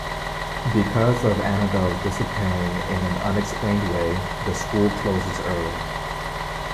Because of Annabel's disappearing in an unexplained way, the school closes early.